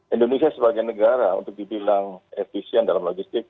indonesia sebagai negara untuk dibilang efisien dalam logistik